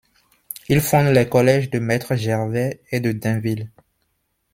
Il fonde les collèges de Maitre-Gervais et de Dainville.